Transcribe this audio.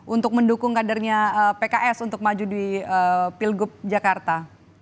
untuk mendukung kadernya pks untuk maju di pilgub jakarta